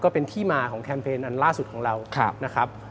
เป็นที่มาของแคมเปญล่าสุดของเรา